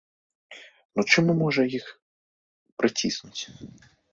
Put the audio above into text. Ну чым мы можам іх прыціснуць?